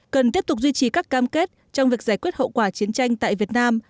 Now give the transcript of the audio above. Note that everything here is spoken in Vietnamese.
cần tiếp tục duy trì các cam kết trong việc giải quyết hậu quả chiến tranh tại việt nam